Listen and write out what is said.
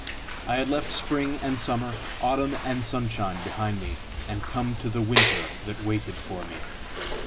I had left spring and summer, autumn and sunshine behind me, and come to the winter that waited for me!